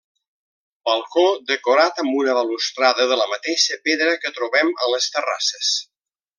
Balcó decorat amb una balustrada de la mateixa pedra que trobem a les terrasses.